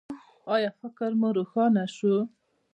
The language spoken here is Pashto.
ایا فکر مو روښانه شو؟